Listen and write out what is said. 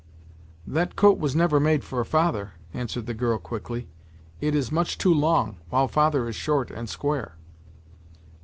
"That coat was never made for father," answered the girl, quickly "it is much too long, while father is short and square."